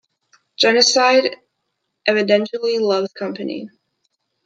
Genocide evidently loves company.